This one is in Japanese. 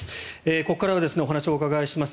ここからはお話をお伺いします。